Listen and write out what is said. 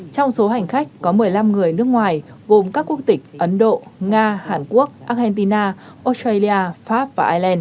trong số hành khách có một mươi năm người nước ngoài gồm các quốc tịch ấn độ nga hàn quốc argentina australia pháp và ireland